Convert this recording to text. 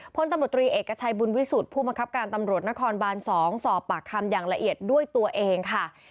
พลตำรวจตรีเอกชัยบุญวิสุทธิ์ผู้บังคับการตำรวจนครบาน๒สอบปากคำอย่างละเอียดด้วยตัวเองค่ะ